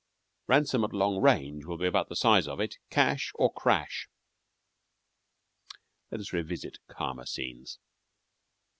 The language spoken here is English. Ransom at long range will be about the size of it cash or crash. Let us revisit calmer scenes.